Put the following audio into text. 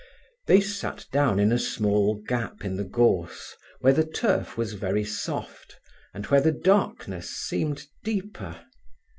They sat down in a small gap in the gorse, where the turf was very soft, and where the darkness seemed deeper.